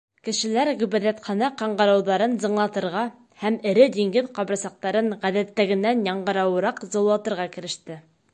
Кешеләр ғибәҙәтхана ҡыңғырауҙарын зыңлатырға һәм эре диңгеҙ ҡабырсаҡтарын ғәҙәттәгенән яңғырауыраҡ зыулатырға кереште.